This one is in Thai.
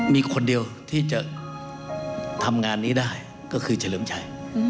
มีคนเดียวที่จะทำงานนี้ได้ก็คือเฉลิมชัย